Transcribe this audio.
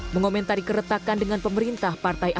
mengomentari keretakan dengan pemerintah partai amanat nasional